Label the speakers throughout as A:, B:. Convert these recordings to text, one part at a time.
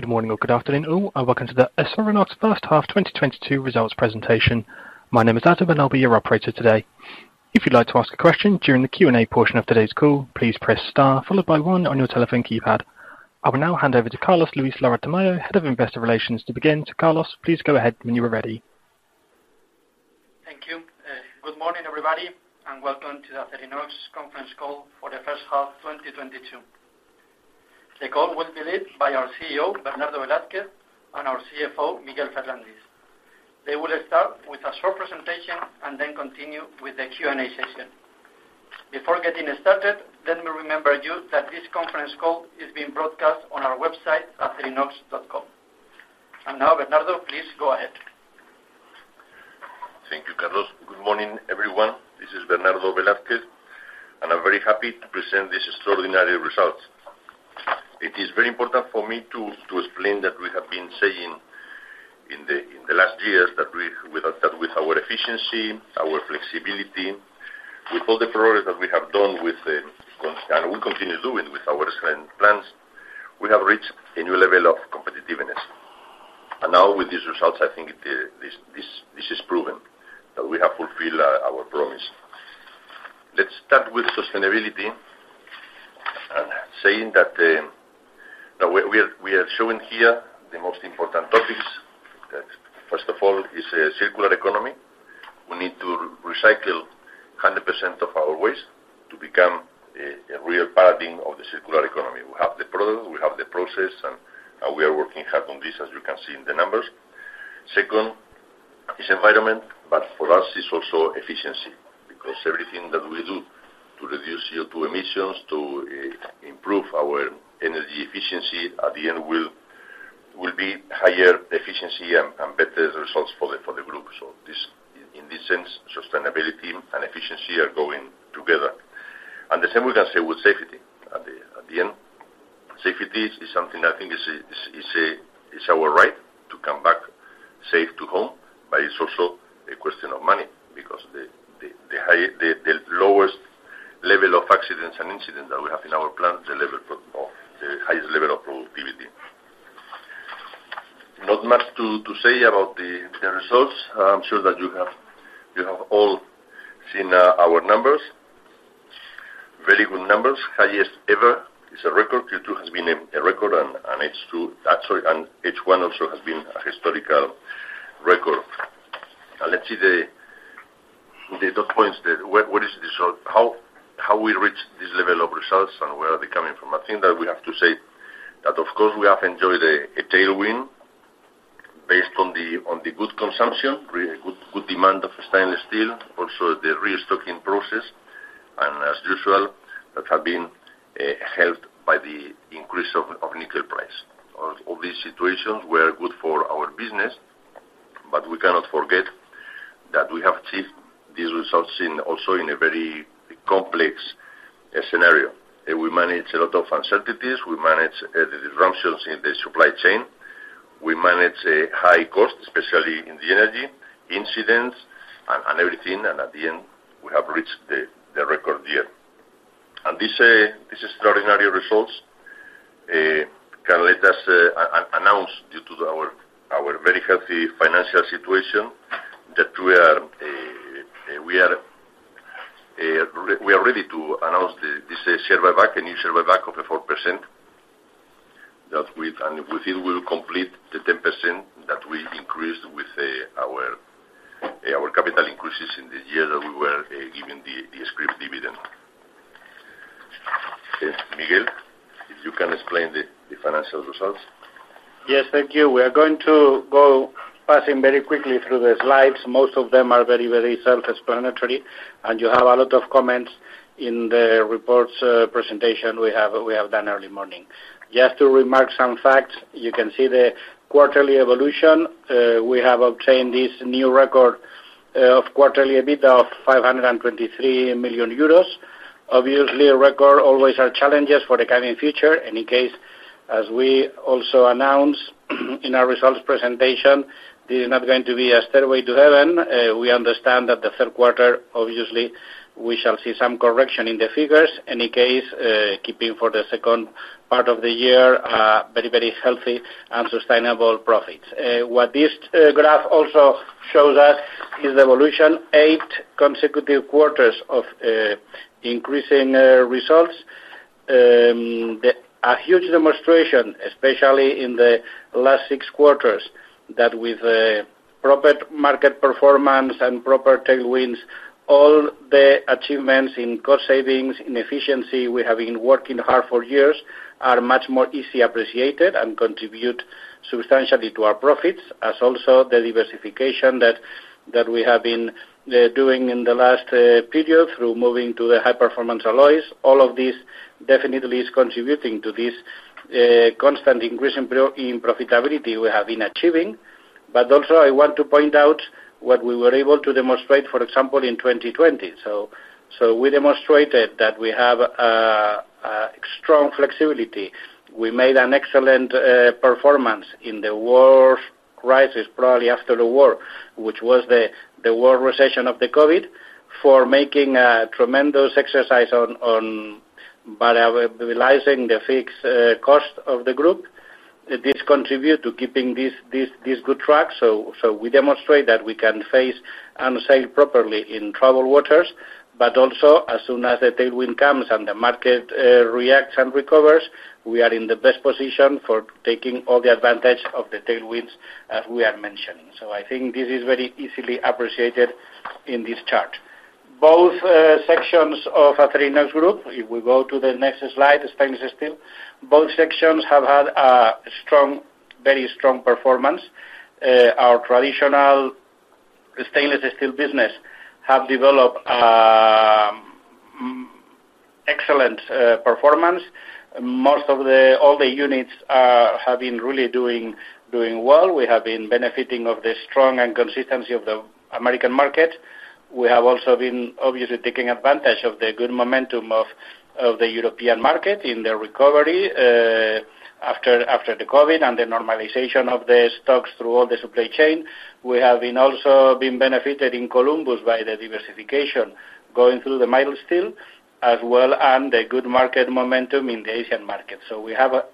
A: Good morning or good afternoon all, and welcome to the Acerinox First Half 2022 Results Presentation. My name is Adam, and I'll be your operator today. If you'd like to ask a question during the Q&A portion of today's call, please press star followed by one on your telephone keypad. I will now hand over to Carlos Lora-Tamayo, Head of Investor Relations to begin. Carlos, please go ahead when you are ready.
B: Thank you. Good morning, everybody, and welcome to the Acerinox conference Call for the First Half 2022. The call will be led by our CEO, Bernardo Velázquez, and our CFO, Miguel Ferrandis. They will start with a short presentation and then continue with the Q&A session. Before getting started, let me remind you that this conference call is being broadcast on our website, acerinox.com. Now, Bernardo, please go ahead.
C: Thank you, Carlos. Good morning, everyone. This is Bernardo Velázquez, and I'm very happy to present this extraordinary result. It is very important for me to explain that we have been saying in the last years that with our efficiency, our flexibility, with all the progress that we have done and we continue doing with our current plans, we have reached a new level of competitiveness. Now with these results, I think this is proven that we have fulfilled our promise. Let's start with sustainability and saying that we are showing here the most important topics. That first of all is a circular economy. We need to recycle 100% of our waste to become a real paradigm of the circular economy. We have the product, we have the process, and we are working hard on this, as you can see in the numbers. Second is environment, but for us, it's also efficiency. Because everything that we do to reduce CO2 emissions, to improve our energy efficiency, at the end will be higher efficiency and better results for the group. So this, in this sense, sustainability and efficiency are going together. The same we can say with safety. At the end, safety is something I think is our right to come back safe to home, but it's also a question of money because the lowest level of accidents and incidents that we have in our plant, or the highest level of productivity. Not much to say about the results. I'm sure that you have all seen our numbers. Very good numbers. Highest ever. It's a record. Q2 has been a record and H1 also has been a historical record. Let's see the dot points. Where is this? How we reach this level of results and where are they coming from? I think that we have to say that, of course, we have enjoyed a tailwind based on the good consumption, good demand of stainless steel, also the restocking process. As usual, that have been helped by the increase of nickel price. All these situations were good for our business, but we cannot forget that we have achieved these results in a very complex scenario. We manage a lot of uncertainties, we manage the disruptions in the supply chain, we manage a high cost, especially in the energy, incidents, and everything, and at the end, we have reached the record year. This extraordinary results can let us announce due to our very healthy financial situation, that we are ready to announce this share buyback, a new share buyback of 4%, that with and within we'll complete the 10% that we increased with our capital increases in the year that we were given the scrip dividend. Miguel, if you can explain the financial results.
D: Yes, thank you. We are going to pass very quickly through the slides. Most of them are very, very self-explanatory, and you have a lot of comments in the reports presentation we have done early morning. Just to remark some facts, you can see the quarterly evolution. We have obtained this new record of quarterly EBITDA of 523 million euros. Obviously, a record always are challenges for the coming future. In any case, as we also announced in our results presentation, this is not going to be a stairway to heaven. We understand that the third quarter, obviously, we shall see some correction in the figures. In any case, keeping for the second part of the year, very, very healthy and sustainable profits. What this graph also shows us is the evolution of eight consecutive quarters of increasing results. A huge demonstration, especially in the last six quarters, that with proper market performance and proper tailwinds, all the achievements in cost savings, in efficiency we have been working hard for years, are much more easily appreciated and contribute substantially to our profits, as also the diversification that we have been doing in the last period through moving to the high performance alloys. All of this definitely is contributing to this constant increase in profitability we have been achieving. I want to point out what we were able to demonstrate, for example, in 2020. We demonstrated that we have a strong flexibility. We made an excellent performance in the world crisis, probably after the war, which was the world recession of the COVID, for making a tremendous exercise on rationalizing the fixed cost of the group. This contribute to keeping this good track. We demonstrate that we can face and sail properly in troubled waters, but also as soon as the tailwind comes and the market reacts and recovers, we are in the best position for taking all the advantage of the tailwinds as we are mentioning. I think this is very easily appreciated in this chart. Both sections of Acerinox Group, if we go to the next slide, the stainless steel, both sections have had a strong, very strong performance. Our traditional stainless steel business have developed excellent performance. All the units have been really doing well. We have been benefiting from the strength and consistency of the American market. We have also been obviously taking advantage of the good momentum of the European market in the recovery after the COVID and the normalization of the stocks throughout the supply chain. We have also been benefited in Columbus by the diversification going into the mild steel as well, and the good market momentum in the Asian market. We have a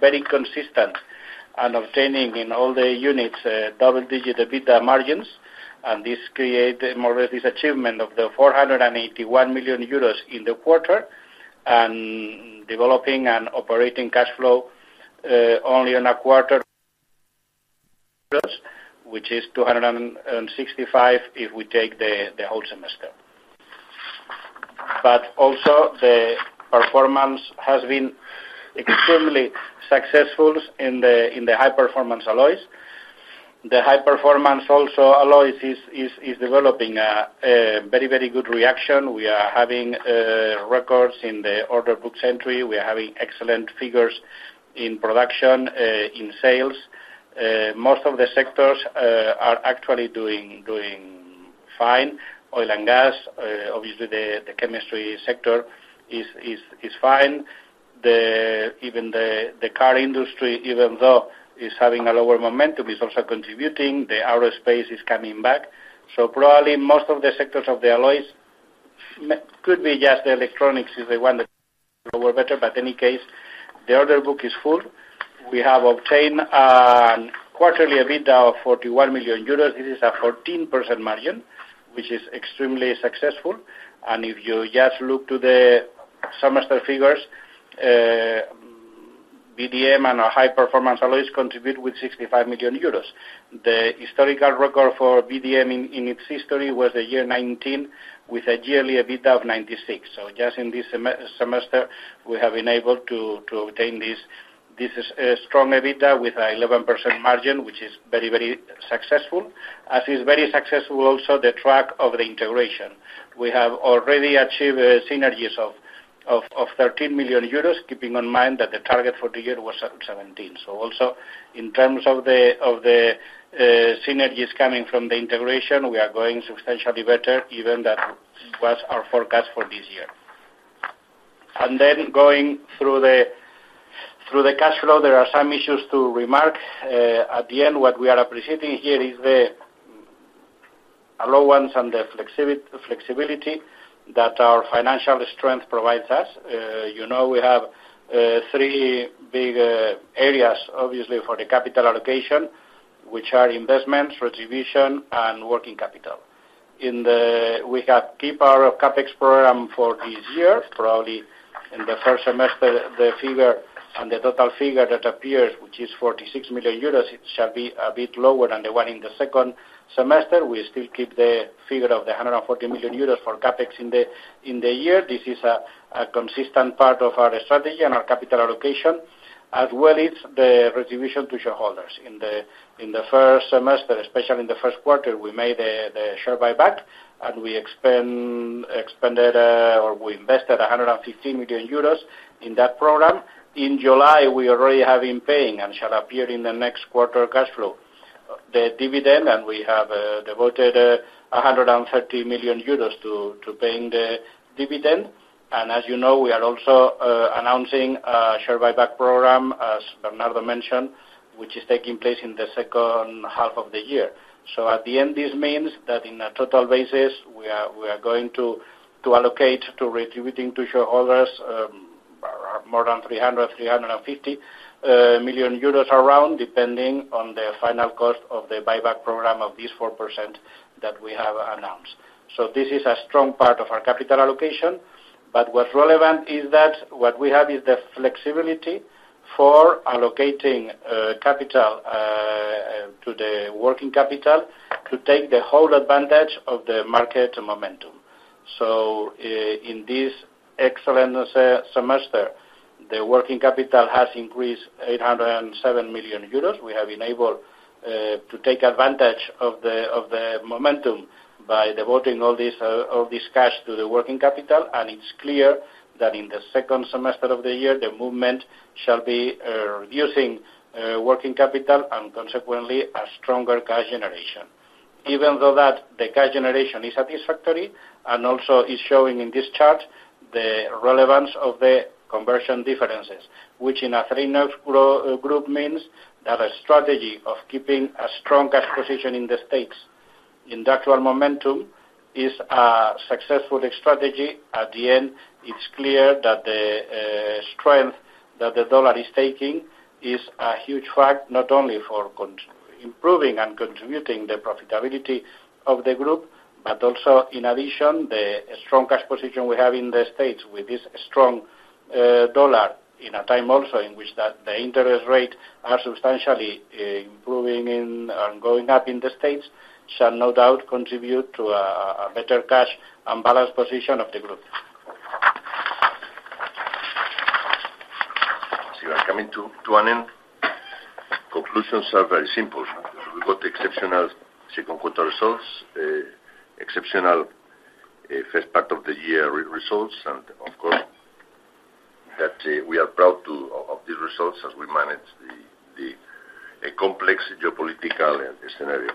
D: very consistent and obtaining double-digit EBITDA margins in all the units, and this create more or less this achievement of 481 million euros in the quarter and delivering operating cash flow only in a quarter which is 265 million if we take the whole semester. Also the performance has been extremely successful in the high performance alloys. The high performance alloys is developing a very good traction. We are having records in the order book entry. We are having excellent figures in production, in sales. Most of the sectors are actually doing fine. Oil and gas, obviously the chemistry sector is fine. Even the car industry, even though is having a lower momentum, is also contributing. The aerospace is coming back. Probably most of the sectors of the alloys could be just the electronics if they want better, but any case, the order book is full. We have obtained quarterly EBITDA of 41 million euros. It is a 14% margin, which is extremely successful. If you just look to the semester figures, VDM and our high performance alloys contribute with 65 million euros. The historical record for VDM in its history was the year 2019, with a yearly EBITDA of 96 million. Just in this semester, we have been able to obtain this. This is a strong EBITDA with 11% margin, which is very, very successful. As is very successful also the track record of the integration. We have already achieved synergies of 13 million euros, keeping in mind that the target for the year was 17 million. Also in terms of synergies coming from the integration, we are going substantially better even than that was our forecast for this year. Then going through the cash flow, there are some issues to remark. At the end, what we are appreciating here is the allowance and the flexibility that our financial strength provides us. You know, we have three big areas obviously for the capital allocation, which are investments, remuneration, and working capital. We have kept our Capex program for this year, probably in the first semester, the figure and the total figure that appears, which is 46 million euros, it shall be a bit lower than the one in the second semester. We still keep the figure of 140 million euros for Capex in the year. This is a consistent part of our strategy and our capital allocation, as well as the distribution to shareholders. In the first semester, especially in the first quarter, we made the share buyback, and we invested 115 million euros in that program. In July, we have already been paying, and the dividend shall appear in the next quarter cash flow, and we have devoted 130 million euros to paying the dividend. As you know, we are also announcing a share buyback program, as Bernardo mentioned, which is taking place in the second half of the year. At the end, this means that in a total basis, we are going to allocate to redistributing to shareholders more than 350 million euros around, depending on the final cost of the buyback program of this 4% that we have announced. This is a strong part of our capital allocation. What's relevant is that what we have is the flexibility for allocating capital to the working capital to take the whole advantage of the market momentum. In this excellent semester, the working capital has increased 807 million euros. We have enabled to take advantage of the momentum by devoting all this cash to the working capital. It's clear that in the second semester of the year, the movement shall be reducing working capital and consequently a stronger cash generation. Even though that the cash generation is satisfactory and also is showing in this chart the relevance of the conversion differences, which in a multinational group means that a strategy of keeping a strong cash position in the States in the actual momentum is a successful strategy. At the end, it's clear that the strength that the dollar is taking is a huge factor, not only for constantly improving and contributing to the profitability of the group, but also in addition, the strong cash position we have in the States with this strong dollar in a time also in which that the interest rates are substantially improving and going up in the States, shall no doubt contribute to a better cash and balance position of the group.
C: We are coming to an end. Conclusions are very simple. We've got exceptional second quarter results, exceptional first part of the year results, and of course, that we are proud of the results as we manage the complex geopolitical scenario.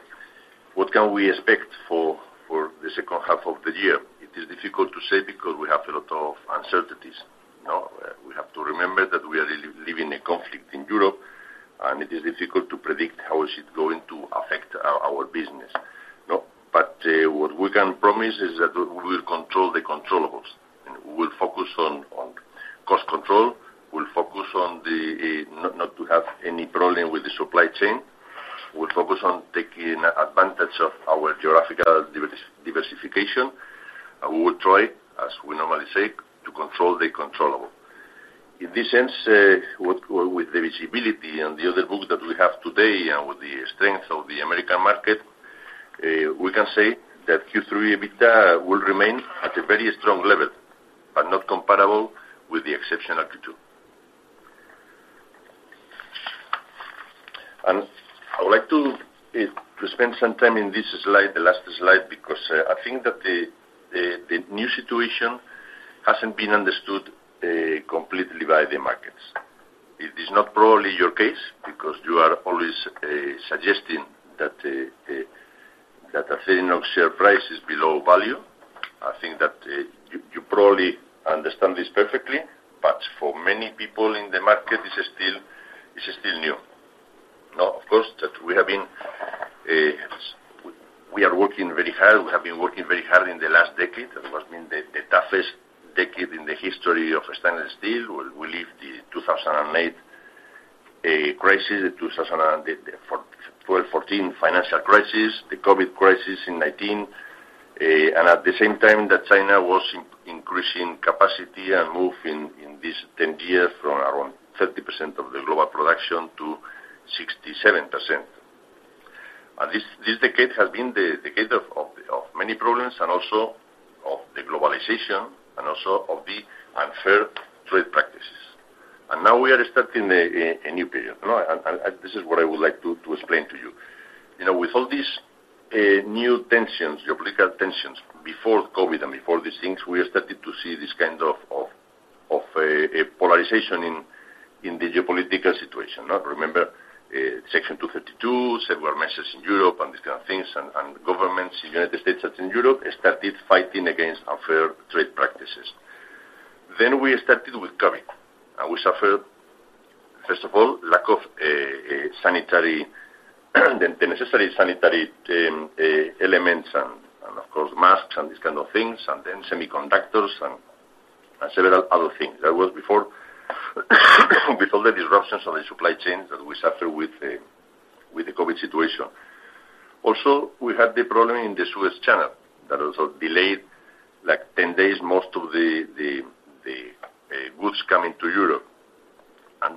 C: What can we expect for the second half of the year? It is difficult to say because we have a lot of uncertainties. You know, we have to remember that we are living in a conflict in Europe, and it is difficult to predict how it is going to affect our business. No, but what we can promise is that we will control the controllables, and we will focus on cost control, we'll focus on not to have any problem with the supply chain. We'll focus on taking advantage of our geographical diversification. We will try, as we normally say, to control the controllable. In this sense, with the visibility and the other books that we have today and with the strength of the American market, we can say that Q3 EBITDA will remain at a very strong level, but not comparable with the exceptional Q2. I would like to spend some time in this slide, the last slide, because I think that the new situation hasn't been understood completely by the markets. It is not probably your case because you are always suggesting that Acerinox share price is below value. I think that you probably understand this perfectly, but for many people in the market, this is still new. Now, of course, we are working very hard. We have been working very hard in the last decade. That has been the toughest decade in the history of stainless steel. We lived the 2008 crisis, the 2014 financial crisis, the COVID crisis in 2019, and at the same time that China was increasing capacity and moving in this 10 years from around 30% of the global production to 67%. This decade has been the decade of many problems and also of the globalization and also of the unfair trade practices. Now we are starting a new period. No, this is what I would like to explain to you. You know, with all these new tensions, geopolitical tensions, before COVID and before these things, we started to see this kind of a polarization in the geopolitical situation. Now, remember, Section 232, several measures in Europe and these kind of things and governments, United States and in Europe, started fighting against unfair trade practices. We started with COVID, and we suffered, first of all, lack of the necessary sanitary elements and of course, masks and these kind of things, and then semiconductors and several other things. That was before the disruptions of the supply chain that we suffered with the COVID situation. Also, we had the problem in the Suez Canal that also delayed like 10 days most of the goods coming to Europe.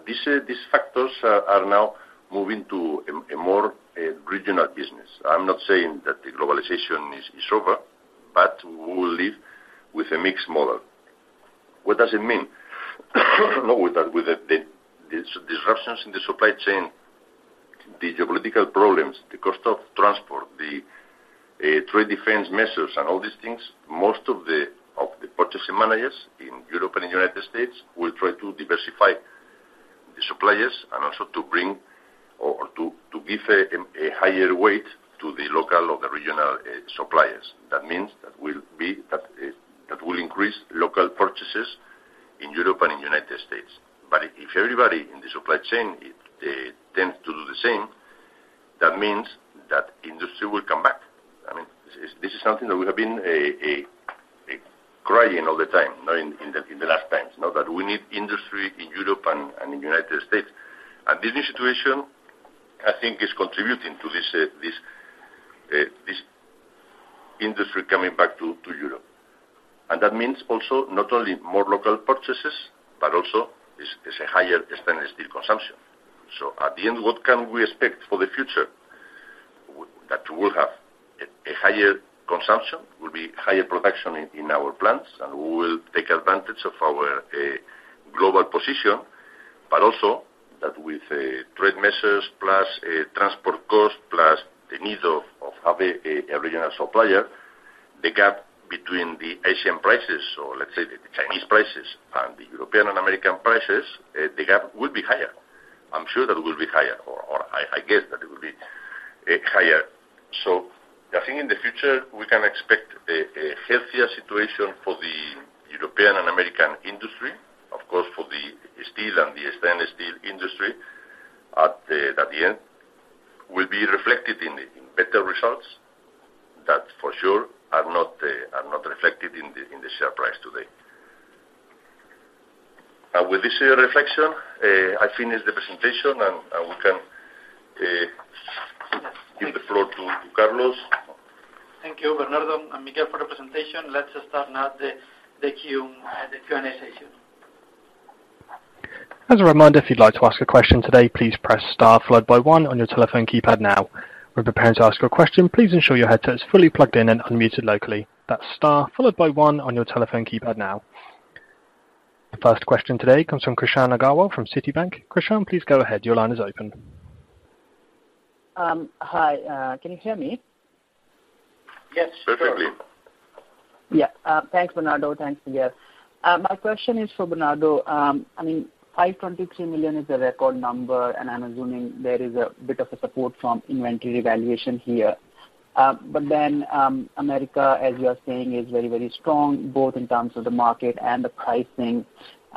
C: These factors are now moving to a more regional business. I'm not saying that the globalization is over, but we will live with a mixed model. What does it mean? With the disruptions in the supply chain, the geopolitical problems, the cost of transport, the trade defense measures and all these things, most of the purchasing managers in Europe and United States will try to diversify the suppliers and also to give a higher weight to the local or the regional suppliers. That means that will increase local purchases in Europe and in the United States. If everybody in the supply chain tends to do the same, that means that industry will come back. I mean, this is something that we have been crying all the time in the last times, you know, that we need industry in Europe and in United States. This new situation, I think, is contributing to this industry coming back to Europe. That means also not only more local purchases, but also is a higher stainless steel consumption. At the end, what can we expect for the future? That we'll have a higher consumption, will be higher production in our plants, and we will take advantage of our global position, but also that with trade measures plus transport costs, plus the need of have a regional supplier, the gap between the Asian prices or let's say the Chinese prices and the European and American prices, the gap will be higher. I'm sure that will be higher or I guess that it will be higher. I think in the future, we can expect a healthier situation for the European and American industry, of course, for the steel and the stainless steel industry. At the end, will be reflected in better results that for sure are not reflected in the share price today. With this reflection, I finish the presentation and we can give the floor to Carlos.
B: Thank you, Bernardo and Miguel for the presentation. Let's start now the Q&A session.
A: As a reminder, if you'd like to ask a question today, please press star followed by one on your telephone keypad now. When preparing to ask your question, please ensure your headset is fully plugged in and unmuted locally. That's star followed by one on your telephone keypad now. The first question today comes from Krishan Agarwal from Citibank. Krishan, please go ahead. Your line is open.
E: Hi. Can you hear me?
D: Yes, sure.
C: Perfectly.
E: Thanks, Bernardo. Thanks, Miguel. My question is for Bernardo. I mean, 523 million is a record number, and I'm assuming there is a bit of a support from inventory valuation here. America, as you are saying, is very, very strong, both in terms of the market and the pricing.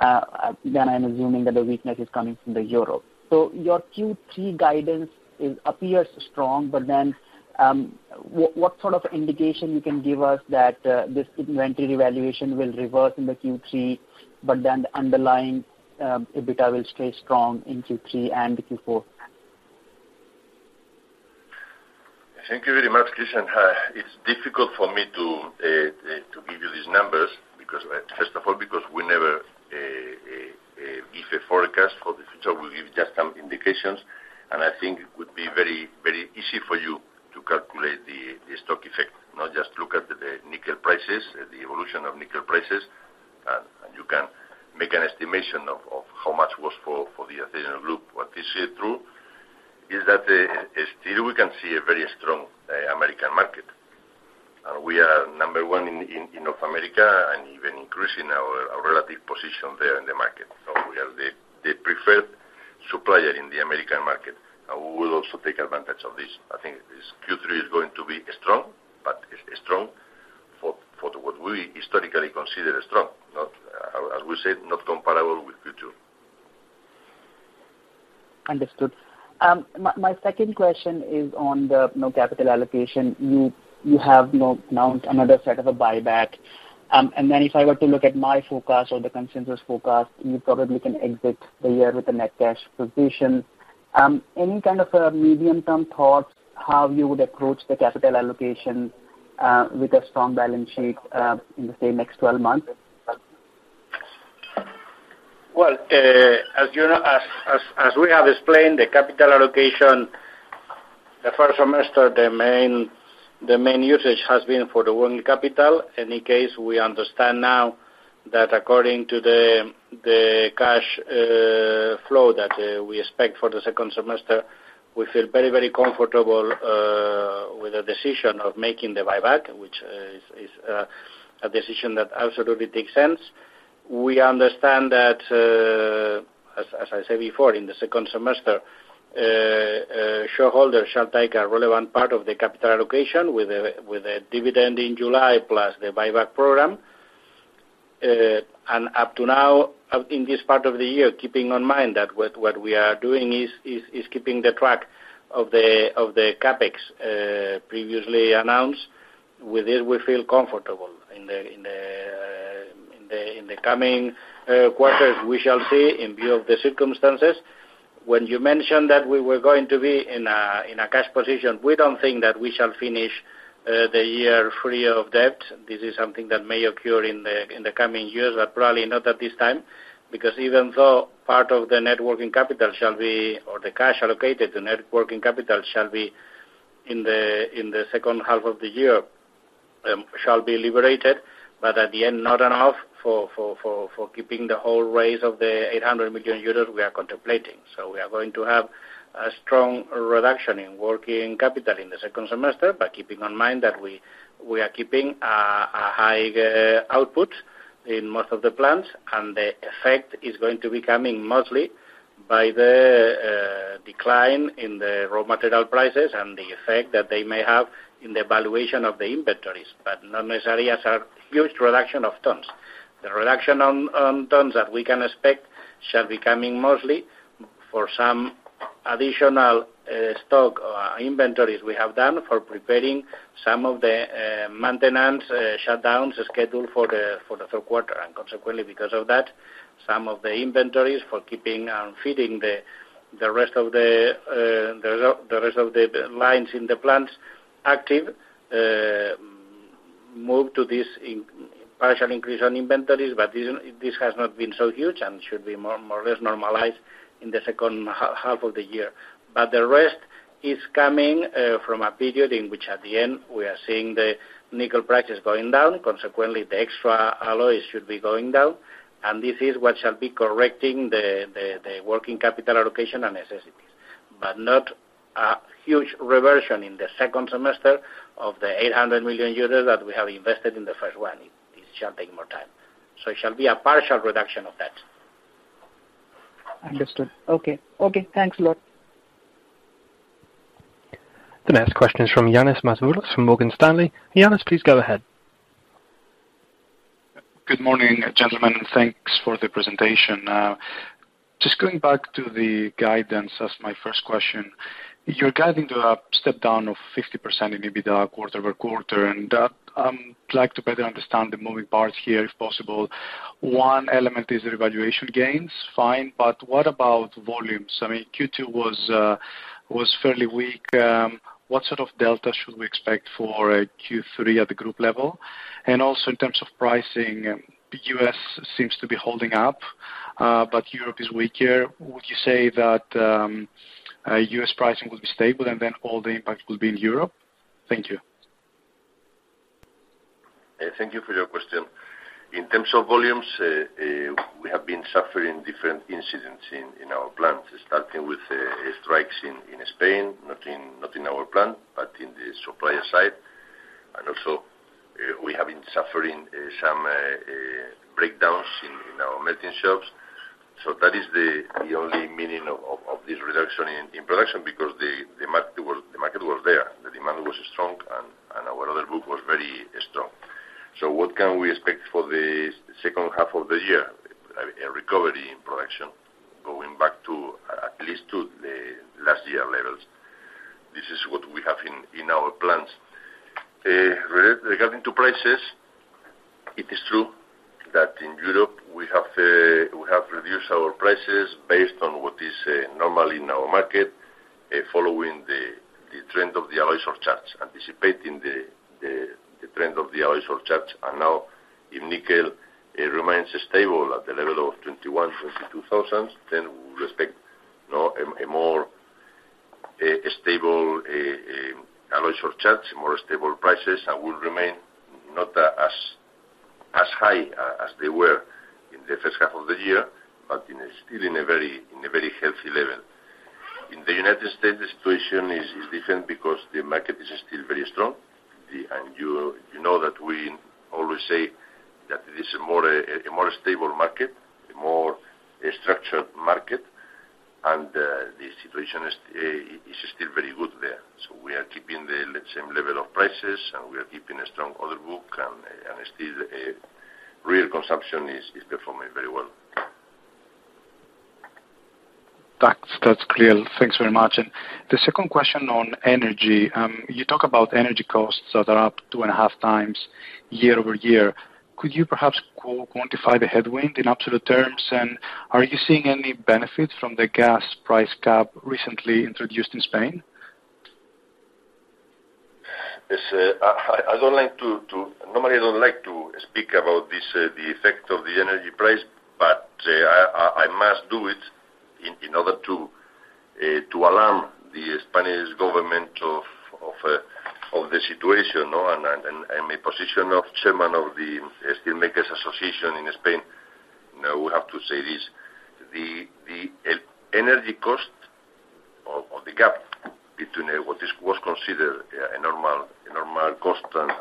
E: Then I'm assuming that the weakness is coming from the euro. Your Q3 guidance appears strong, but then, what sort of indication you can give us that this inventory valuation will reverse in the Q3, but then the underlying EBITDA will stay strong in Q3 and Q4?
C: Thank you very much, Krishan. It's difficult for me to give you these numbers because first of all, because we never give a forecast for the future, we give just some indications. I think it would be very, very easy for you to calculate the stock effect. Now just look at the nickel prices, the evolution of nickel prices, and you can make an estimation of how much was for the Acerinox Group. What is true is that still we can see a very strong American market. We are number one in North America, and even increasing our relative position there in the market. We are the preferred supplier in the American market, and we will also take advantage of this. I think this Q3 is going to be strong, but it's strong for what we historically consider strong, not, as we said, not comparable with Q2.
E: Understood. My second question is on the, you know, capital allocation. You have, you know, announced another set of a buyback. If I were to look at my forecast or the consensus forecast, you probably can exit the year with a net cash position. Any kind of medium-term thoughts how you would approach the capital allocation with a strong balance sheet in the, say, next 12 months?
D: Well, as you know, as we have explained, the capital allocation in the first semester, the main usage has been for the working capital. In any case, we understand now that according to the cash flow that we expect for the second semester, we feel very comfortable with the decision of making the buyback, which is a decision that absolutely makes sense. We understand that, as I said before, in the second semester, shareholders shall take a relevant part of the capital allocation with a dividend in July plus the buyback program. Up to now, in this part of the year, keeping in mind that what we are doing is keeping track of the Capex previously announced. With it, we feel comfortable. In the coming quarters, we shall see in view of the circumstances. When you mentioned that we were going to be in a cash position, we don't think that we shall finish the year free of debt. This is something that may occur in the coming years, but probably not at this time. Because even though part of the net working capital shall be, or the cash allocated to net working capital shall be in the second half of the year, shall be liberated, but at the end, not enough for keeping the whole raise of 800 million euros we are contemplating. We are going to have a strong reduction in working capital in the second semester, but keeping in mind that we are keeping a high output in most of the plants, and the effect is going to be coming mostly by the decline in the raw material prices and the effect that they may have in the valuation of the inventories, but not necessarily as a huge reduction of tons. The reduction on tons that we can expect shall be coming mostly for some additional stock or inventories we have done for preparing some of the maintenance shutdowns scheduled for the fourth quarter. Consequently, because of that, some of the inventories for keeping and feeding the rest of the lines in the plants active move to this partial increase on inventories, but this has not been so huge and should be more or less normalized in the second half of the year. The rest is coming from a period in which at the end we are seeing the nickel prices going down. Consequently, the extra alloys should be going down. This is what shall be correcting the working capital allocation and necessary. Not a huge reversion in the second semester of the 800 million euros that we have invested in the first one. It shall take more time. It shall be a partial reduction of that.
E: Understood. Okay. Okay, thanks a lot.
A: The next question is from Ioannis Masvoulas from Morgan Stanley. Yannis, please go ahead.
F: Good morning, gentlemen. Thanks for the presentation. Just going back to the guidance as my first question, you're guiding to a step-down of 50% in EBITDA quarter-over-quarter. That, I'd like to better understand the moving parts here, if possible. One element is the valuation gains, fine, but what about volumes? I mean, Q2 was fairly weak. What sort of delta should we expect for Q3 at the group level? Also in terms of pricing, the U.S. seems to be holding up, but Europe is weaker. Would you say that U.S. pricing will be stable, and then all the impact will be in Europe? Thank you.
C: Thank you for your question. In terms of volumes, we have been suffering different incidents in our plants, starting with strikes in Spain, not in our plant, but in the supplier side. We have been suffering some breakdowns in our melting shops. That is the only meaning of this reduction in production because the market was there. The demand was strong and our order book was very strong. What can we expect for the second half of the year? A recovery in production, going back to at least the last year's levels. This is what we have in our plans. Regarding prices, it is true that in Europe, we have reduced our prices based on what is normal in our market, following the trend of the alloy surcharges, anticipating the trend of the alloy surcharges. Now in nickel, it remains stable at the level of 21,000-22,000, then we expect, you know, a more stable alloy surcharges, more stable prices and will remain not as high as they were in the first half of the year, but still in a very healthy level. In the United States, the situation is different because the market is still very strong. You know that we always say that this is a more stable market, a more structured market, and the situation is still very good there. We are keeping the same level of prices, and we are keeping a strong order book, and still real consumption is performing very well.
F: That's clear. Thanks very much. The second question on energy, you talk about energy costs that are up two and a half times year-over-year. Could you perhaps quantify the headwind in absolute terms? Are you seeing any benefit from the gas price cap recently introduced in Spain?
C: Yes, normally, I don't like to speak about this, the effect of the energy price, but I must do it in order to alarm the Spanish government of the situation. My position of chairman of UNESID, you know, we have to say this. The energy cost of the gap between what was considered a normal cost and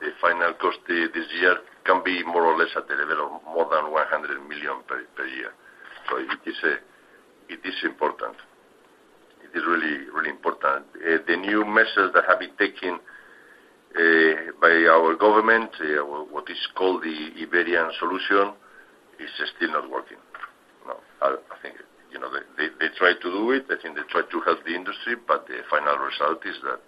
C: the final cost this year can be more or less at the level of more than 100 million per year. It is important. It is really important. The new measures that have been taken by our government, what is called the Iberian Solution, is still not working. You know, I think, you know, they tried to do it. I think they tried to help the industry, but the final result is that,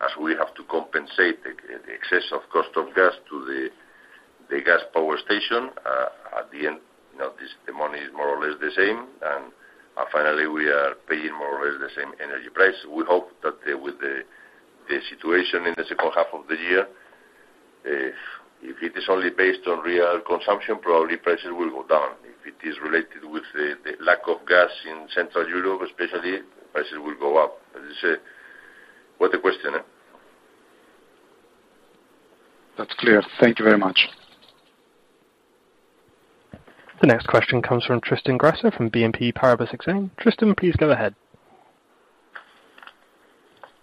C: as we have to compensate the excess of cost of gas to the gas power station, at the end, you know, the money is more or less the same. Finally, we are paying more or less the same energy price. We hope that with the situation in the second half of the year, if it is only based on real consumption, probably prices will go down. If it is related with the lack of gas in Central Europe, especially, prices will go up. Is it what the question?
F: That's clear. Thank you very much.
A: The next question comes from Tristan Gresser from BNP Paribas Exane. Tristan, please go ahead.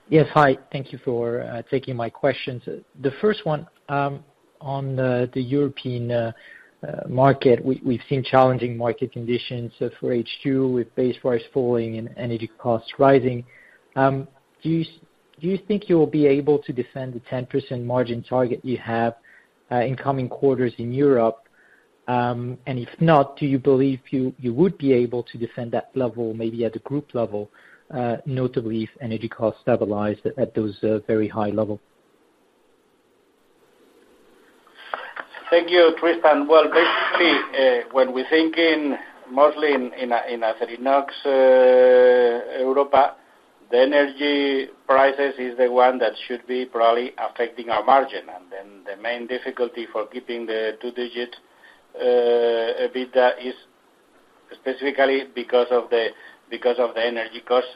G: Yes. Hi. Thank you for taking my questions. The first one, on the European market, we've seen challenging market conditions for H2 with base price falling and energy costs rising. Do you think you'll be able to defend the 10% margin target you have in coming quarters in Europe? If not, do you believe you would be able to defend that level maybe at the group level, notably if energy costs stabilize at those very high level? Thank you, Tristan. Well, basically, when we think mostly in Acerinox Europa, the energy prices is the one that should be probably affecting our margin. Then the main difficulty for keeping the two-digit EBITDA is specifically because of the energy cost.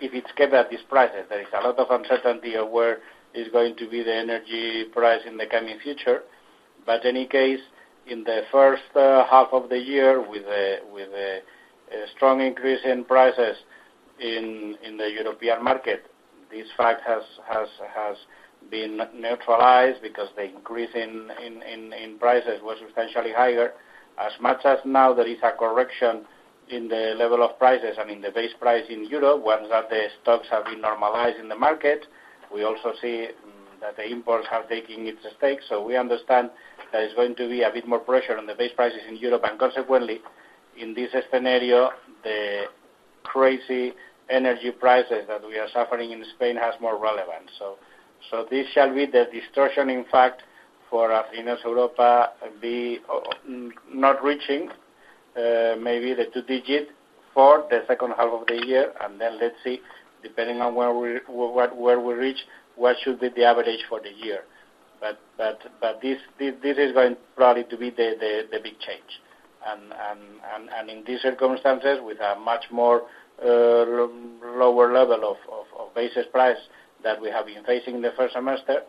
D: If it's kept at this prices, there is a lot of uncertainty of where is going to be the energy price in the coming future. In any case, in the first half of the year with a strong increase in prices in the European market, this fact has been neutralized because the increase in prices was substantially higher. As much as now there is a correction in the level of prices, I mean, the base price in Europe, once that the stocks have been normalized in the market, we also see that the imports have taken its toll. So we understand there is going to be a bit more pressure on the base prices in Europe, and consequently, in this scenario, the crazy energy prices that we are suffering in Spain has more relevance. So this shall be the distortion, in fact, for us in Europe but not reaching maybe the two-digit for the second half of the year. Let's see, depending on where we reach, what should be the average for the year. This is going probably to be the big change. In these circumstances, with a much more lower level of business price that we have been facing in the first semester,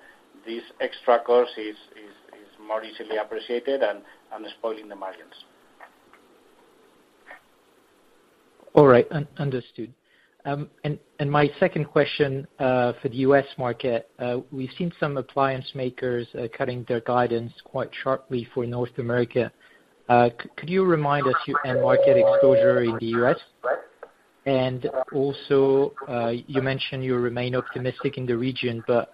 D: this extra cost is more easily appreciated and spoiling the margins.
G: All right. Understood. My second question for the U.S. market, we've seen some appliance makers cutting their guidance quite sharply for North America. Could you remind us your end market exposure in the U.S.? Also, you mentioned you remain optimistic in the region, but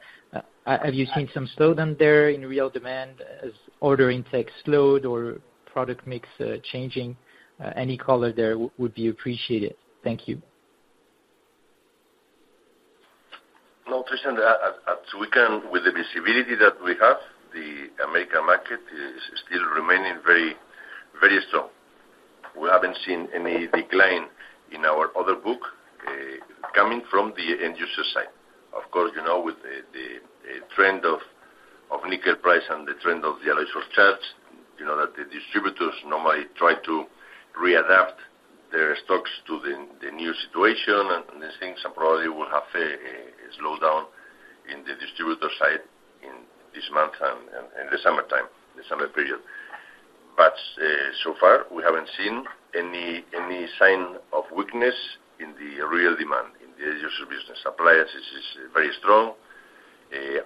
G: have you seen some slowdown there in real demand as order intake slowed or product mix changing? Any color there would be appreciated. Thank you.
C: No, Tristan, as far as we can with the visibility that we have, the American market is still remaining very, very strong. We haven't seen any decline in our order book coming from the end user side. Of course, you know, with the trend of nickel price and the trend of the alloy surcharge, you know that the distributors normally try to readapt their stocks to the new situation, and I think some probably will have a slowdown in the distributor side in this month and the summertime, the summer period. So far, we haven't seen any sign of weakness in the real demand in the user business. Appliance is very strong.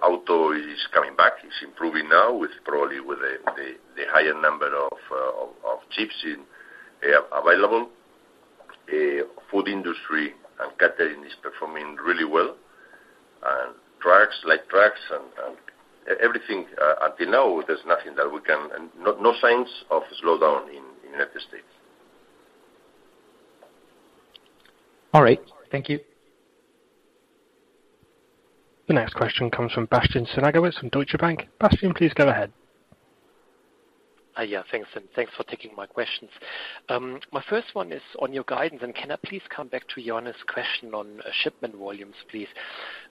C: Auto is coming back. It's improving now with the higher number of chips available. Food industry and catering is performing really well. Trucks, like trucks and everything, until now, there's nothing that we can. No signs of slowdown in United States.
G: All right. Thank you.
A: The next question comes from Bastian Synagowitz from Deutsche Bank. Bastian, please go ahead.
H: Yeah. Thanks, and thanks for taking my questions. My first one is on your guidance, and can I please come back to Yannis' question on shipment volumes, please?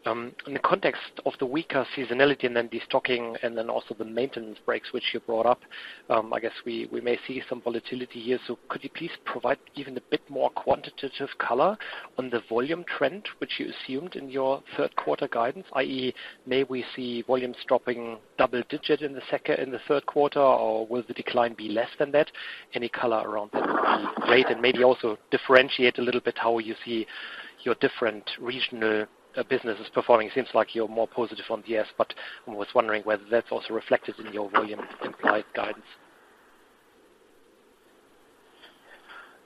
H: In the context of the weaker seasonality and then destocking and then also the maintenance breaks which you brought up, I guess we may see some volatility here. So could you please provide even a bit more quantitative color on the volume trend which you assumed in your third quarter guidance, i.e., may we see volumes dropping double-digit in the third quarter, or will the decline be less than that? Any color around that would be great. Maybe also differentiate a little bit how you see your different regional businesses performing. Seems like you're more positive on GS, but I was wondering whether that's also reflected in your volume implied guidance.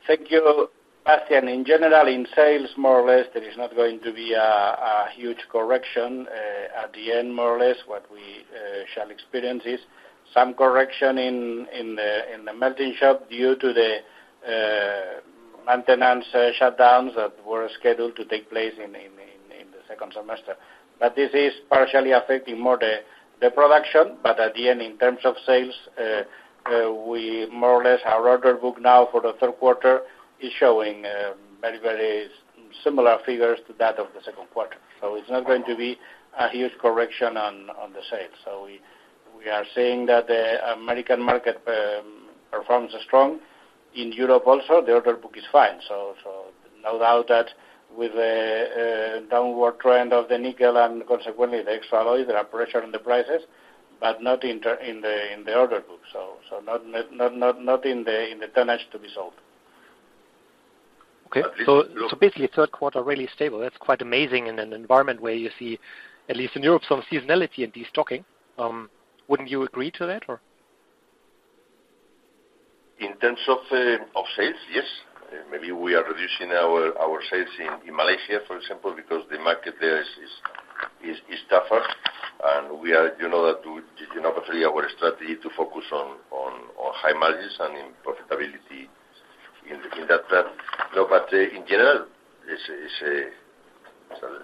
D: Thank you, Bastian. In general, in sales, more or less, there is not going to be a huge correction. At the end, more or less, what we shall experience is some correction in the melting shop due to the maintenance shutdowns that were scheduled to take place in the second semester. This is partially affecting more the production. At the end, in terms of sales, we more or less our order book now for the third quarter is showing very similar figures to that of the second quarter. It's not going to be a huge correction on the sales. We are seeing that the American market performs strong. In Europe also, the order book is fine. No doubt that with a downward trend of the nickel and consequently the extra alloys, there are pressure on the prices, but not in the order book. Not in the tonnage to be sold.
H: Okay.
C: This look-
H: Basically, third quarter really stable. That's quite amazing in an environment where you see, at least in Europe, some seasonality in destocking. Wouldn't you agree to that or?
C: In terms of sales, yes. Maybe we are reducing our sales in Malaysia, for example, because the market there is tougher. You know probably our strategy to focus on high margins and profitability in that plan. No, but in general, it's.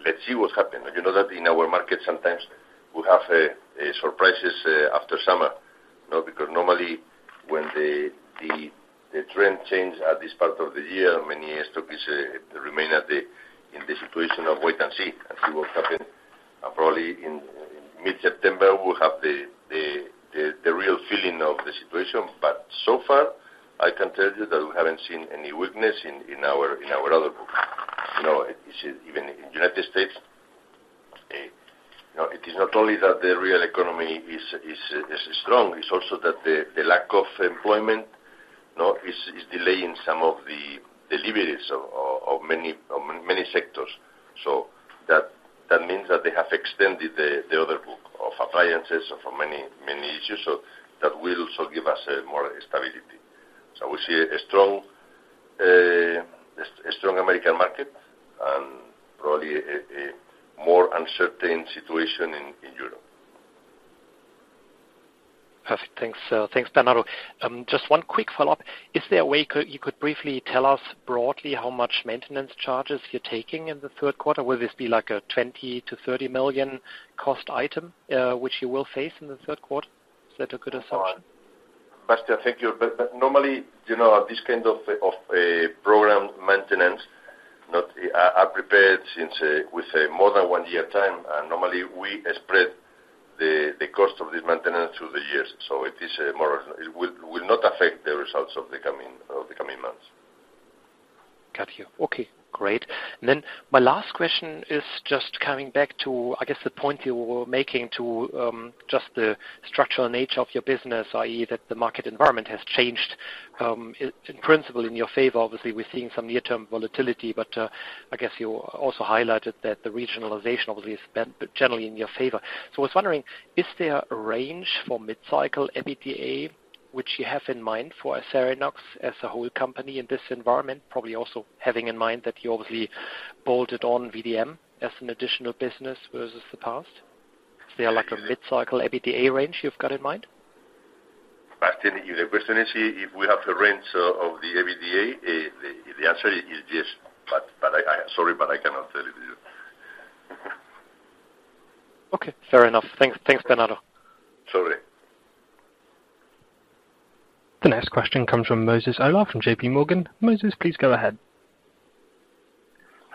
C: Let's see what happen. You know that in our market sometimes we have surprises after summer. You know, because normally when the trend change at this part of the year, many years it is remain in the situation of wait and see, and see what happen. Probably in mid-September, we'll have the real feeling of the situation. So far, I can tell you that we haven't seen any weakness in our order book. You know, it's even in the United States. No, it is not only that the real economy is strong, it's also that the lack of employees, you know, is delaying some of the deliveries of many sectors. That means that they have extended the order book of applications for many industries. That will also give us more stability. We see a strong American market and probably a more uncertain situation in Europe.
H: Perfect. Thanks. Thanks, Bernardo. Just one quick follow-up. Is there a way you could briefly tell us broadly how much maintenance charges you're taking in the third quarter? Will this be like a 20 million-30 million cost item, which you will face in the third quarter? Is that a good assumption?
C: Bastian, thank you. Normally, you know, this kind of program maintenance, you know, are prepared since with more than one year time. Normally we spread the cost of this maintenance through the years. It will not affect the results of the coming months.
H: Got you. Okay, great. My last question is just coming back to, I guess, the point you were making to, just the structural nature of your business, i.e., that the market environment has changed, in principle, in your favor. Obviously, we're seeing some near-term volatility, but, I guess you also highlighted that the regionalization obviously is generally in your favor. I was wondering, is there a range for mid-cycle EBITDA which you have in mind for Acerinox as a whole company in this environment? Probably also having in mind that you obviously bolted on VDM as an additional business versus the past. Is there like a mid-cycle EBITDA range you've got in mind?
C: Bastian, if the question is if we have a range of the EBITDA, the answer is yes. Sorry, I cannot tell it to you.
H: Okay, fair enough. Thanks. Thanks, Bernardo.
C: Sorry.
A: The next question comes from Moses Ola from J.P. Morgan. Moses, please go ahead.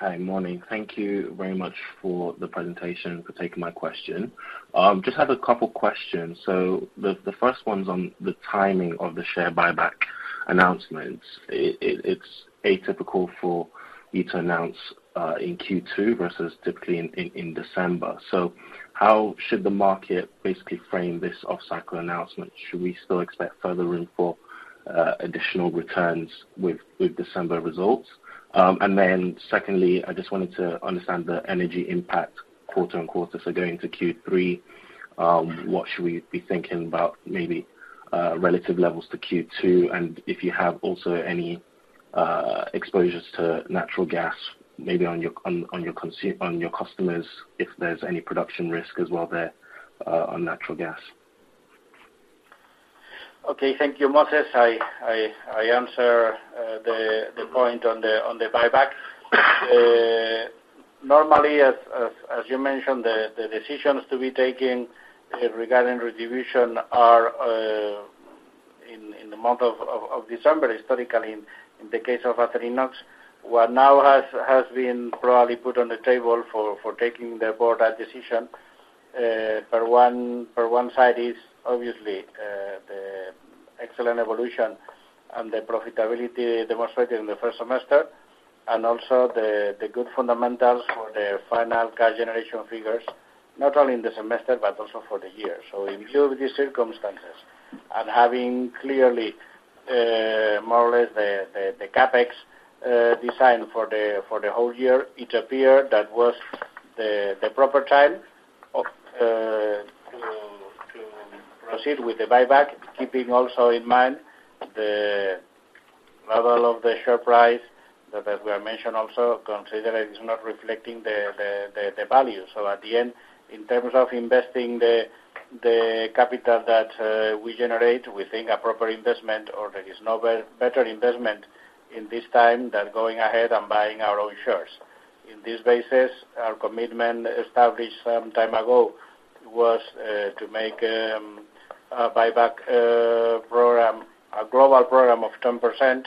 I: Hi. Morning. Thank you very much for the presentation, for taking my question. Just have a couple questions. The first one's on the timing of the share buyback announcement. It's atypical for you to announce in Q2 versus typically in December. How should the market basically frame this off-cycle announcement? Should we still expect further room for additional returns with December results? Then secondly, I just wanted to understand the energy impact quarter-on-quarter. Going to Q3, what should we be thinking about maybe relative levels to Q2? If you have also any exposures to natural gas, maybe on your customers, if there's any production risk as well there on natural gas.
D: Okay. Thank you, Moses. I answer the point on the buyback. Normally, as you mentioned, the decisions to be taken regarding distribution are in the month of December, historically, in the case of Acerinox. What now has been broadly put on the table for the board to take that decision, on one side is obviously the excellent evolution and the profitability demonstrated in the first semester, and also the good fundamentals for the full cash generation figures, not only in the semester, but also for the year. In view of these circumstances, and having clearly more or less the Capex designed for the whole year, it appeared that that was the proper time to proceed with the buyback, keeping also in mind the level of the share price that, as we have mentioned, we also consider it is not reflecting the value. At the end, in terms of investing the capital that we generate, we think a proper investment or there is no better investment at this time than going ahead and buying our own shares. In this basis, our commitment established some time ago was to make a buyback program, a global program of 10%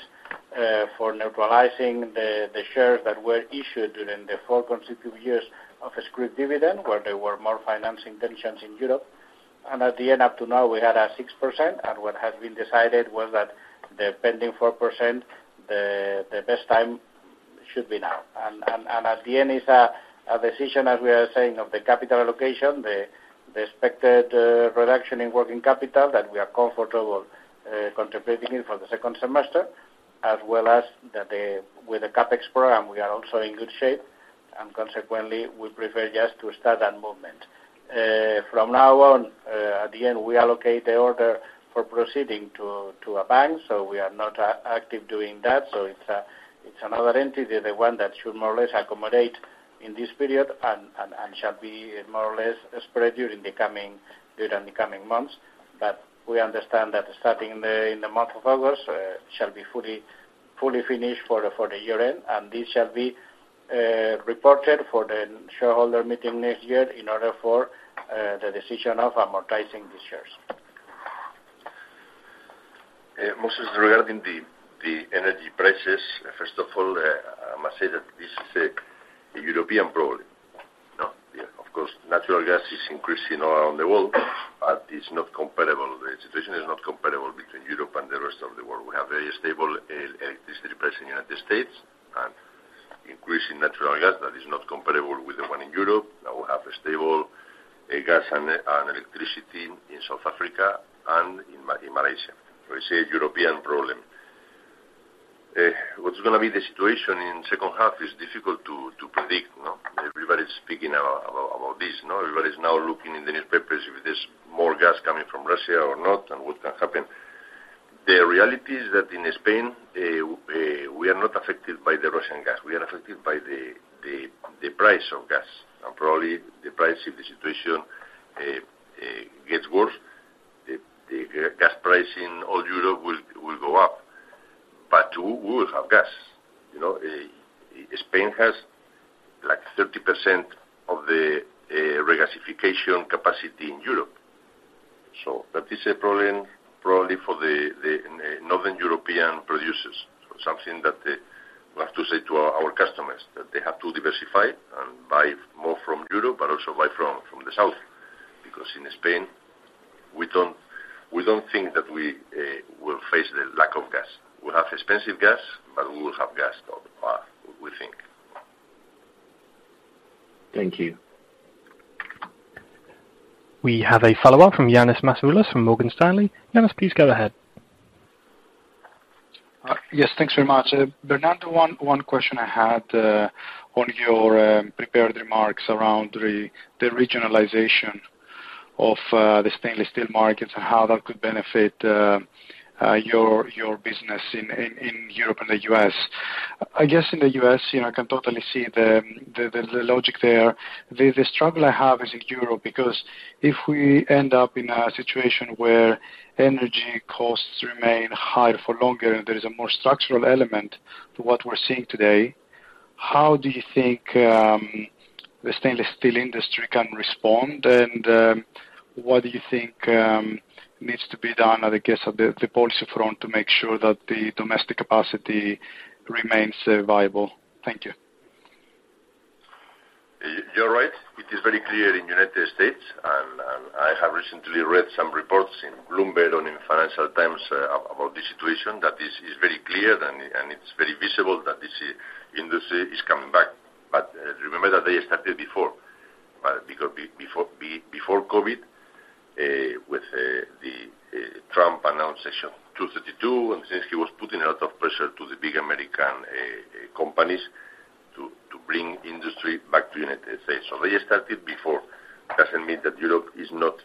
D: for neutralizing the shares that were issued during the four consecutive years of a scrip dividend, where there were more financing tensions in Europe. At the end, up to now, we had a 6%, and what has been decided was that the pending 4%, the best time should be now. At the end, it's a decision, as we are saying, of the capital allocation, the expected reduction in working capital that we are comfortable contributing it for the second semester, as well as that with the Capex program, we are also in good shape, and consequently, we prefer just to start that movement. From now on, at the end, we allocate the order for proceeding to a bank, so we are not active doing that. It's another entity, the one that should more or less accommodate in this period and shall be more or less spread during the coming months. We understand that in the month of August shall be fully finished for the year-end. This shall be reported for the shareholder meeting next year in order for the decision of amortizing the shares.
C: Moses, regarding the energy prices, first of all, I must say that this is a European problem. You know? Of course, natural gas is increasing around the world, but it's not comparable. The situation is not comparable. Of the world. We have a stable electricity price in United States and increase in natural gas that is not comparable with the one in Europe. Now we have a stable gas and electricity in South Africa and in Malaysia. We see a European problem. What's gonna be the situation in second half is difficult to predict, you know. Everybody's speaking about this, you know. Everybody's now looking in the newspapers if there's more gas coming from Russia or not, and what can happen. The reality is that in Spain we are not affected by the Russian gas. We are affected by the price of gas. Probably the price, if the situation gets worse, the gas price in all Europe will go up. We will have gas, you know. Spain has like 30% of the regasification capacity in Europe. That is a problem probably for the northern European producers. Something that we have to say to our customers, that they have to diversify and buy more from Europe, but also buy from the South. Because in Spain, we don't think that we will face the lack of gas. We'll have expensive gas, but we will have gas all the way, we think.
I: Thank you.
A: We have a follow-up from Ioannis Masvoulas from Morgan Stanley. Yannis, please go ahead.
F: Yes, thanks very much. Bernardo, one question I had on your prepared remarks around the regionalization of the stainless steel markets and how that could benefit your business in Europe and the U.S. I guess in the U.S., you know, I can totally see the logic there. The struggle I have is in Europe, because if we end up in a situation where energy costs remain high for longer, and there is a more structural element to what we're seeing today, how do you think the stainless steel industry can respond? What do you think needs to be done, I guess, at the policy front to make sure that the domestic capacity remains viable? Thank you.
C: You're right. It is very clear in United States, and I have recently read some reports in Bloomberg and in Financial Times about this situation that is very clear and it's very visible that this industry is coming back. Remember that they started before. Because before COVID, with the Trump announced Section 232, and since he was putting a lot of pressure to the big American companies to bring industry back to United States. They started before. Doesn't mean that Europe is not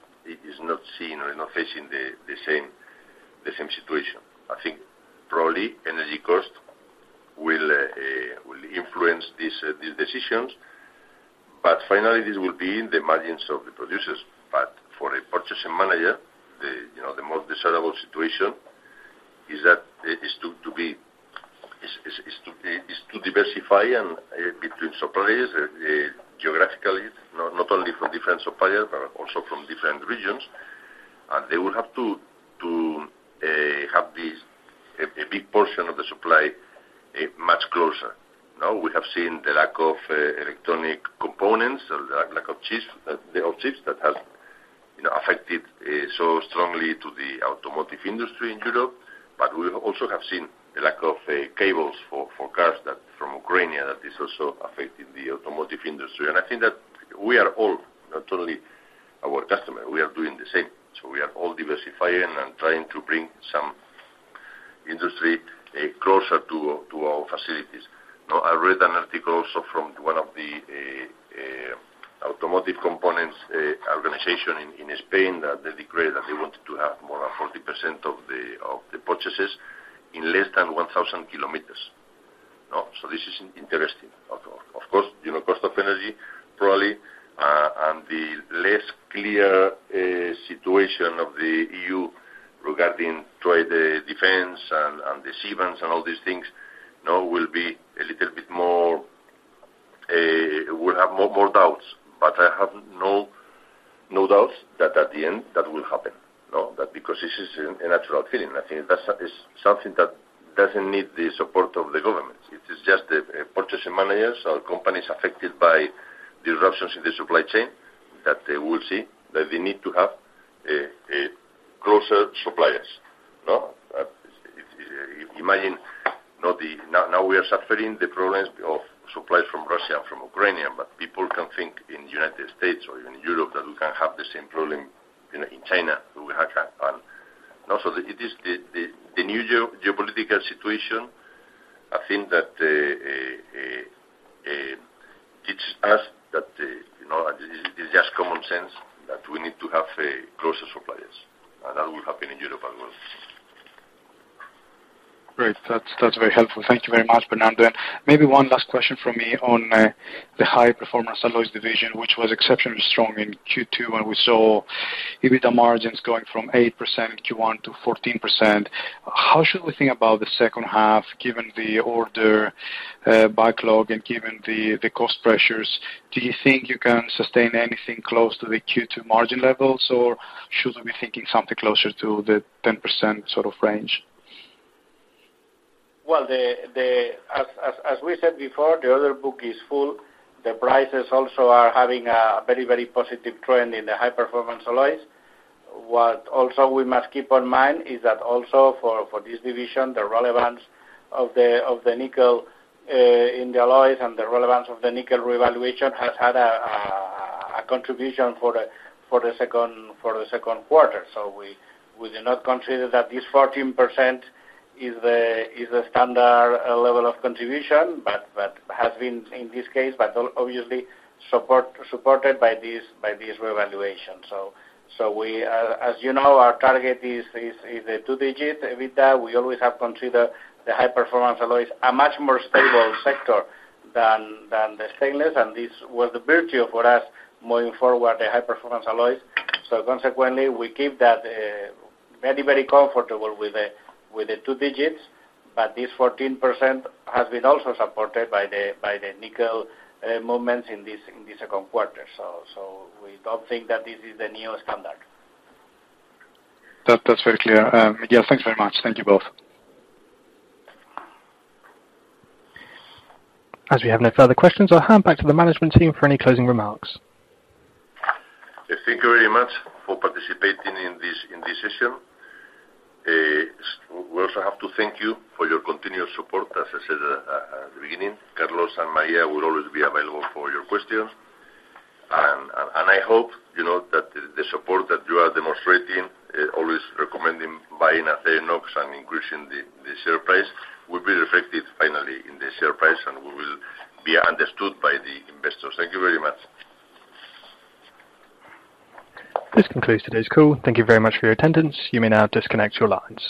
C: seeing or not facing the same situation. I think probably energy cost will influence these decisions, but finally this will be in the margins of the producers. For a purchasing manager, you know, the most desirable situation is to diversify between suppliers geographically, not only from different suppliers, but also from different regions. They will have to have a big portion of the supply much closer. Now we have seen the lack of electronic components, lack of chips, the chips that has, you know, affected so strongly to the automotive industry in Europe, but we also have seen a lack of cables for cars that from Ukraine that is also affecting the automotive industry. I think that we are all, not only our customer, we are doing the same. We are all diversifying and trying to bring some industry closer to our facilities. Now, I read an article also from one of the automotive components organization in Spain that they declared that they wanted to have more than 40% of the purchases in less than 1,000 kilometers. No? So this is interesting. Of course, you know, cost of energy probably and the less clear situation of the EU regarding trade defense and the CBAMs and all these things now will be a little bit more, we'll have more doubts. But I have no doubts that at the end that will happen. No? That's because this is a natural feeling. I think that's something that doesn't need the support of the governments. It is just the purchasing managers or companies affected by disruptions in the supply chain that they will see that they need to have closer suppliers. No? Imagine, now we are suffering supply problems from Russia and from Ukraine, but people can think in United States or even in Europe that we can have the same problem, you know, in China, we can have. Also, it is the new geopolitical situation, I think that teaches us that, you know, it's just common sense that we need to have closer suppliers. That will happen in Europe as well.
F: Great. That's very helpful. Thank you very much, Bernardo. Maybe one last question from me on the high performance alloys division, which was exceptionally strong in Q2, and we saw EBITDA margins going from 8% in Q1 to 14%. How should we think about the second half, given the order backlog and given the cost pressures? Do you think you can sustain anything close to the Q2 margin levels, or should we be thinking something closer to the 10% sort of range?
D: Well, as we said before, the order book is full. The prices also are having a very positive trend in the high performance alloys. What we must keep in mind is that for this division, the relevance of the nickel in the alloys and the relevance of the nickel revaluation has had a contribution for the second quarter. We do not consider that this 14% is the standard level of contribution, but has been in this case, but obviously supported by this revaluation. We, as you know, our target is a two-digit EBITDA. We always have considered the high performance alloys a much more stable sector than the stainless, and this was the virtue for us moving forward, the high performance alloys. Consequently, we keep that very comfortable with the two digits, but this 14% has been also supported by the nickel movements in this second quarter. We don't think that this is the new standard.
F: That, that's very clear. Yeah, thanks very much. Thank you both.
A: As we have no further questions, I'll hand back to the management team for any closing remarks.
C: Thank you very much for participating in this session. We also have to thank you for your continuous support. As I said at the beginning, Carlos and Maria will always be available for your questions. I hope you know that the support that you are demonstrating, always recommending buying Acerinox and increasing the share price, will be reflected finally in the share price and we will be understood by the investors. Thank you very much.
A: This concludes today's call. Thank you very much for your attendance. You may now disconnect your lines.